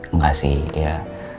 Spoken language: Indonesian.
enggak sih dia